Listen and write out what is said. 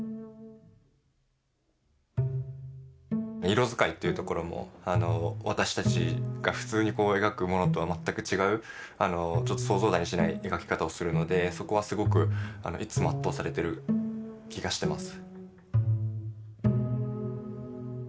色使いっていうところも私たちが普通に描くものとは全く違うちょっと想像だにしない描き方をするのでそこはすごくいつも圧倒されてる気がしてます。